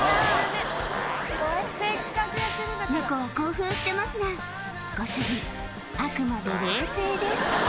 ネコは興奮してますがご主人あくまで冷静です